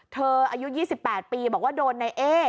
อายุ๒๘ปีบอกว่าโดนในเอ๊